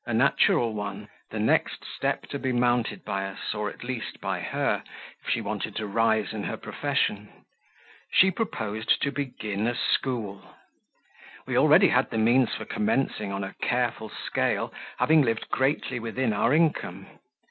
A natural one the next step to be mounted by us, or, at least, by her, if she wanted to rise in her profession. She proposed to begin a school. We already had the means for commencing on a careful scale, having lived greatly within our income.